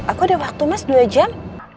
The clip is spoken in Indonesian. aku ada waktu mas dua jam